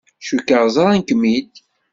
Cukkeɣ ẓran-kem-d.